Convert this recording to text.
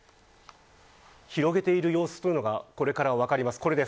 広げている様子がこれから分かります。